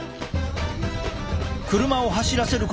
車を走らせること数時間。